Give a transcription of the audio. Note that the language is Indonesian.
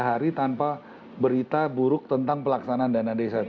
tidak ada hadiah kita bisa mencari tanpa berita buruk tentang pelaksanaan dana desa itu